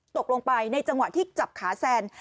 ตกลงไปในจังหวะที่จับขาแซน